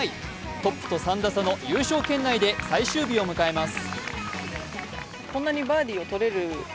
トップと３打差の優勝圏内で最終日を迎えます。